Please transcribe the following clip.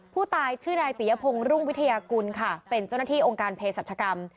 ผู้ตายชื่อนายปิยพงศ์รุ่งวิทยากุลค่ะเป็นเจ้าหน้าที่องค์การเพศรัชกรรม